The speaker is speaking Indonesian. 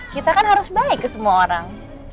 kita kan harus baik ke semua orang